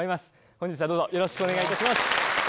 本日はどうぞよろしくお願いいたします。